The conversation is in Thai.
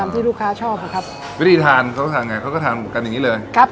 ที่ลูกค้าชอบอะครับวิธีทานเขาทานไงเขาก็ทานกันอย่างงี้เลยครับ